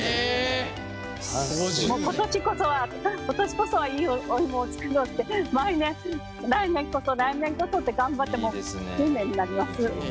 今年こそはいいお芋を作ろうって毎年来年こそ来年こそって頑張って５０年になります。